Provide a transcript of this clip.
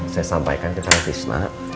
saya sampaikan ke pratisna